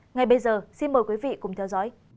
ngay bây giờ xin mời quý vị cùng theo dõi